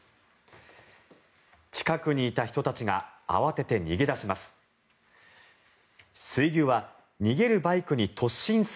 近くにいた人たちが慌てて逃げ出します。